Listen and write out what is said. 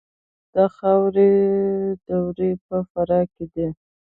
د خاورو دوړې په فراه کې دي